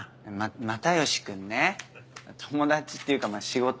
又吉君ね友達っていうか仕事の。